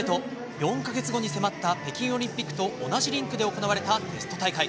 ４か月後に迫った北京オリンピックと同じリンクで行われたテスト大会。